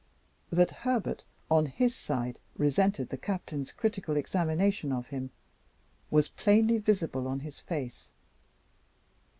That Herbert, on his side, resented the Captain's critical examination of him was plainly visible in his face.